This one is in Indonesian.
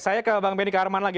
saya ke bang benny karman lagi